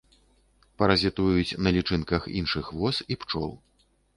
Паразітуюць на лічынках іншых вос і пчол.